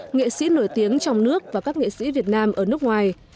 nghệ sĩ nổi tiếng trong nước và các nghệ sĩ việt nam ở nước ngoài